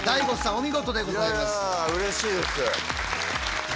お見事でございます。